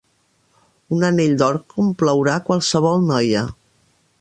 Un anell d'or complaurà qualsevol noia.